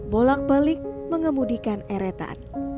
bolak balik mengemudikan eretan